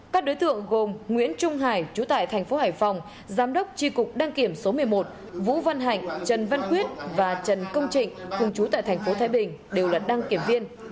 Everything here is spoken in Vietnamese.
các đối tượng gồm nguyễn trung hải chú tại thành phố hải phòng giám đốc tri cục đăng kiểm số một mươi một vũ văn hạnh trần văn quyết và trần công trịnh cùng chú tại thành phố thái bình đều là đăng kiểm viên